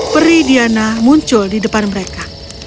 peri diana muncul di depan mereka